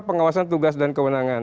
pengawasan tugas dan kewenangan